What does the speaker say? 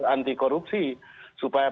anti korupsi supaya